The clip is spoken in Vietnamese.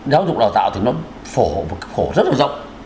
giáo dục đào tạo thì nó phổ rất là rộng